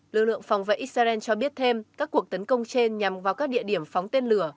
lực lượng phòng vệ israel cho biết thêm các cuộc tấn công trên nhằm vào các địa điểm phóng tên lửa